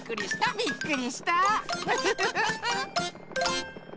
びっくりした。